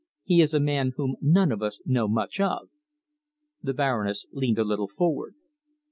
He is a man whom none of us know much of." The Baroness leaned a little forward. "Mr.